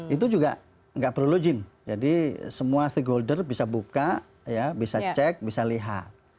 itu juga nggak perlu login jadi semua stakeholder bisa buka ya bisa cek bisa lihat